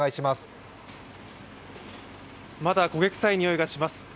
まだ焦げ臭いにおいがします。